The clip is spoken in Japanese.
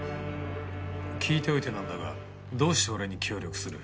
聞いておいてなんだがどうして俺に協力する？